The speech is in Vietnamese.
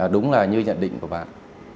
đúng là như nhận định của bạn